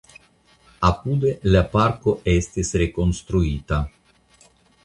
Apude la parko estis rekonstruita.